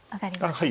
はい。